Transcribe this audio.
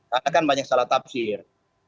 karena kan banyak salah tafsir